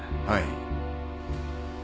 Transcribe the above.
はい。